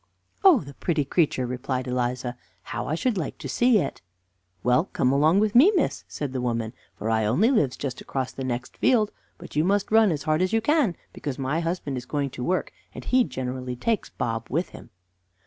"Oh, the pretty creature," replied Eliza, "how I should like to see it!" "Well, come along with me, miss," said the woman, "for I only lives just across the next field, but you must run as hard as you can, because my husband is going to work, and he generally takes Bob with him."